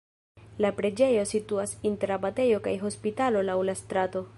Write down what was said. La preĝejo situas inter abatejo kaj hospitalo laŭ la strato.